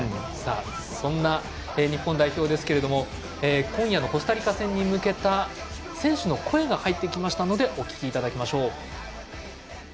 そんな日本代表ですけれど今夜のコスタリカ戦に向けた選手の声が入ってきましたのでお聞きいただきましょう。